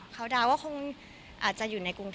เค้าดาวน์ว่าอาจจะอยู่ในกรุงเทป